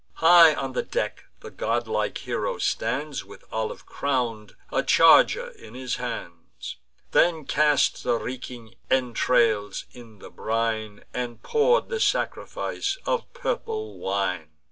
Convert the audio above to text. High on the deck the godlike hero stands, With olive crown'd, a charger in his hands; Then cast the reeking entrails in the brine, And pour'd the sacrifice of purple wine.